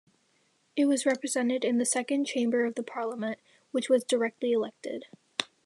It was represented in the second chamber of the parliament, which was directly elected.